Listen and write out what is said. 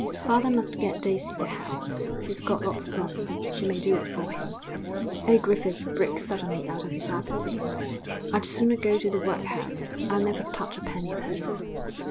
'Father must get Daisy to help; she's got lots of money. She may do it for him.' Old Griffith broke suddenly out of his apathy. 'I'd sooner go to the workhouse; I'll never touch a penny of hers!'